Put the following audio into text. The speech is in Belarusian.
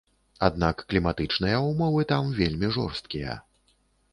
Аднак кліматычныя ўмовы там вельмі жорсткія.